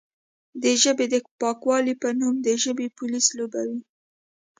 د ژبې د پاکوالې په نوم د ژبې پولیس لوبوي،